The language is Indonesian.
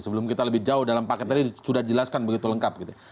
sebelum kita lebih jauh dalam paket tadi sudah dijelaskan begitu lengkap gitu ya